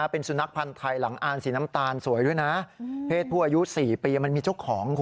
เป็นสุนัขพันธ์ทอง